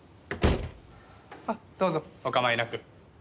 あっどうぞお構いなく。